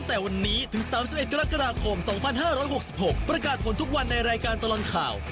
ตอนตลอด๖๖ประกาศผลทุกวันในรายการตลอดข่าว